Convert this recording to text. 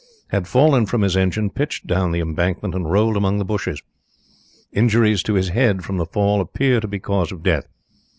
Had fallen from his engine, pitched down the embankment, and rolled among the bushes. Injuries to his head, from the fall, appear to be cause of death.